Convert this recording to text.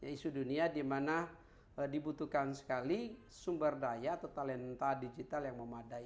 isu dunia dimana dibutuhkan sekali sumber daya atau talenta digital yang memadai